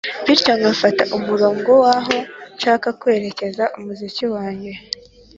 bityo nkafata umurongo w’aho nshaka kwerekeza umuziki wange.